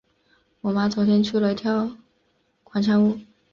我妈昨天去了跳广场舞。